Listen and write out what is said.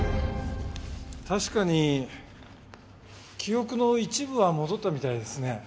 確かに記憶の一部は戻ったみたいですね。